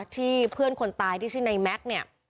ที่เพื่อนคนตายที่ชื่อในแม็กซ์เนี่ย